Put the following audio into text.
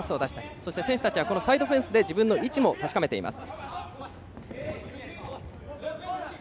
そして選手たちはサイドフェンスで自分の位置を確かめています。